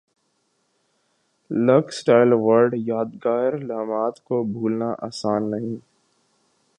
looks style award یادگار لمحات کو بھولنا اسان نہیں